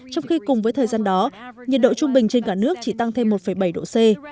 trong khi cùng với thời gian đó nhiệt độ trung bình trên cả nước chỉ tăng thêm một bảy độ c